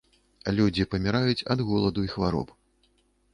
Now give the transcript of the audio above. Людзі паміраюць ад голаду і хвароб.